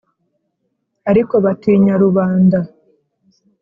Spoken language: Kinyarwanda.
Ariko batinya rubanda.